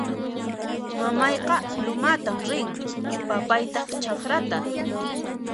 Mamayqa lumatan rin; papaytaq chakrata